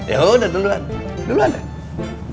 ya udah duluan duluan